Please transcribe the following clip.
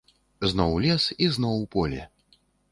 Зноў лес і зноў поле.